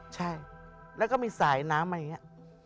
ใช่แล้วก็มีสายน้ำอะไรอย่างเนี่ย